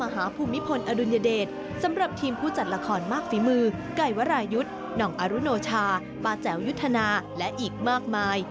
ไหวรายุทธ์น้องอารุโนชาปาแจ๋วยุธนาและอีกมากมาย